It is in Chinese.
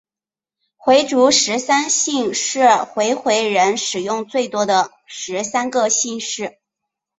回族十三姓是回回人使用最多的十三个姓氏。